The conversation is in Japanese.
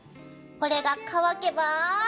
これが乾けば。